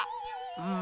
うん。